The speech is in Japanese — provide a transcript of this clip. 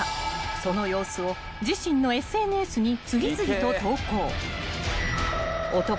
［その様子を自身のＳＮＳに次々と投稿］